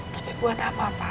tapi buat apa papa